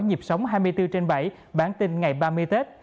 nhịp sống hai mươi bốn trên bảy bản tin ngày ba mươi tết